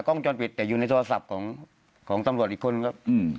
กล้องจอดปิดแต่อยู่ในโทรศัพท์ของของตำลวจอีกคนครับอืม